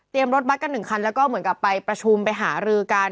รถบัตรกัน๑คันแล้วก็เหมือนกับไปประชุมไปหารือกัน